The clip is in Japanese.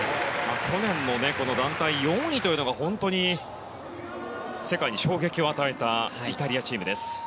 去年も団体４位というのが本当に世界に衝撃を与えたイタリアチームです。